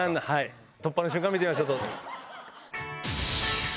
突破の瞬間見てみましょう。